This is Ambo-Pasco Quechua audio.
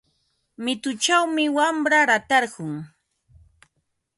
Mituchawmi wamra ratarqun.